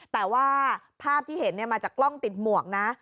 แต่ว่าภาพที่เห็นมาจากกล้องติดหมวกนะ